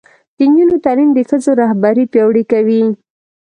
د نجونو تعلیم د ښځو رهبري پیاوړې کوي.